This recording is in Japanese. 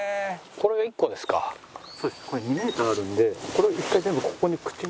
これ２メートルあるのでこれ１回全部ここに口に。